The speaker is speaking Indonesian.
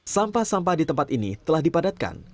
sampah sampah di tempat ini telah dipadatkan